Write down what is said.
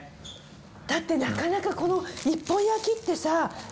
だってなかなかこの一本焼きってさないもん。